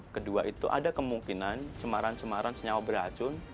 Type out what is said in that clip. kedua itu ada kemungkinan cemaran cemaran senyawa beracun